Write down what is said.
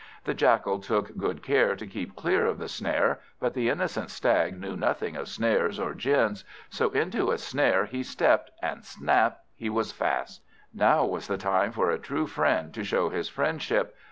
The Jackal took good care to keep clear of the snare; but the innocent Stag knew nothing of snares or gins, so into a snare he stept, and snap! he was fast. Now was the time for a true friend to show his friendship.